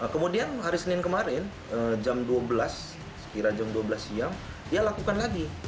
kemudian hari senin kemarin jam dua belas sekira jam dua belas siang dia lakukan lagi